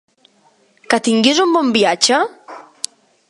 Que tinguis un bon viatge?